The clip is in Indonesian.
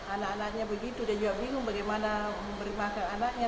anak anaknya begitu dia juga bingung bagaimana memberi makan anaknya